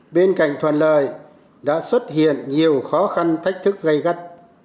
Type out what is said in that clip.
bên cạnh toàn lời đã xuất hiện nhiều khó khăn thách thức gây gắt